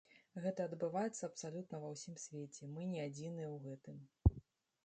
Гэта адбываецца абсалютна ва ўсім свеце, мы не адзіныя ў гэтым.